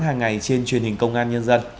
hàng ngày trên truyền hình công an nhân dân